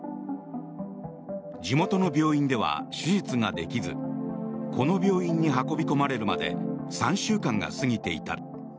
地元の病院では手術ができずこの病院に運び込まれるまで３週間が過ぎていた。